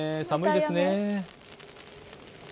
寒いですね。